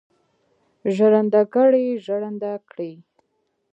ژرندهګړی ژرنده کړي.